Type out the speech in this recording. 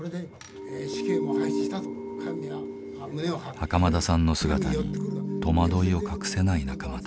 袴田さんの姿に戸惑いを隠せない仲間たち。